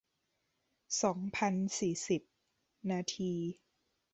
สองพันสี่สิบ นาที